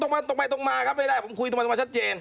มันตรงไปตรงมาครับไม่ได้ผมคุยตรงมาชัดเจน